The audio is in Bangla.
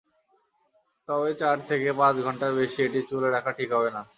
তবে চার থেকে পাঁচ ঘণ্টার বেশি এটি চুলে রাখা ঠিক হবে না।